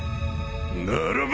ならば